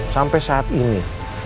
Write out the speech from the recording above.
sampai saat ini